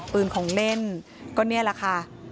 ปืนของเล่นก็นี่แหละค่ะ